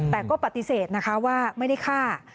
แต่ก็ปฏิเสธนะคะว่าไม่ได้ฆ่า